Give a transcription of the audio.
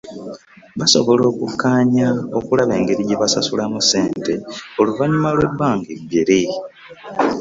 Basobola okukkaanya okulaba engeri gye basasulamu ssente oluvannyuma lw'ebbanga eggere